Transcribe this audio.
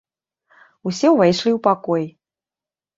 Усе ўвайшлі ў пакой.